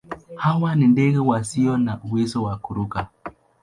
Hawa ni ndege wasio na uwezo wa kuruka.